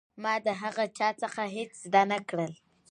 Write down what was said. ما د هغه چا څخه هېڅ زده نه کړل.